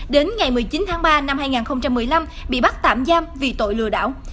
đến ngày một mươi chín tháng ba năm hai nghìn một mươi năm bị bắt tạm giam vì tội lừa đảo